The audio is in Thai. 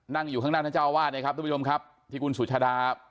นั่งอยู่ข้างหน้าท่านเจ้าวาดนะครับทุกผู้ชมครับที่คุณสุชาดา